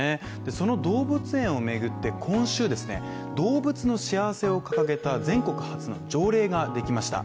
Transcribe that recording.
その動物園を巡って今週ですね、動物の幸せを掲げた全国初の条例ができました。